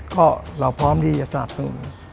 ก็เราพร้อมที่จะสนับสนุน